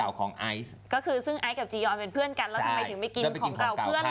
แล้วทำไมถึงไม่กินของเก่าเพื่อนเรา